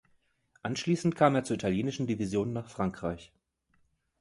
Anschließend kam er zur italienischen Division nach Frankreich.